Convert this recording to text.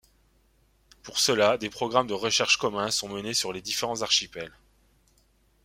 Pour cela, des programmes de recherche communs sont menés sur les différents archipels.